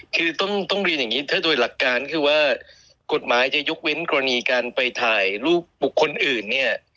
คือต้องเรียนอย่างนี้ถ้าโดยหลักการคือว่ากฎหมายจะยกเว้นกรณีการไปถ่ายรูปบุคคลอื่นเนี่ย